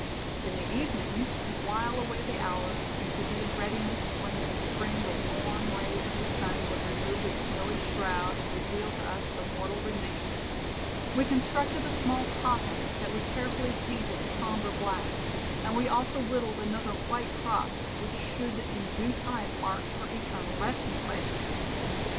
In the evenings, to while away the hours and to be in readiness when in the Spring the warm rays of the sun would remove the snowy shroud and reveal to us her mortal remains, we constructed a small coffin, that we carefully painted a somber black, and we also whittled another white cross, which should in due time mark her eternal resting place.